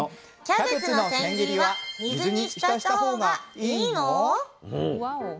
キャベツの千切りは水に浸したほうがイイの？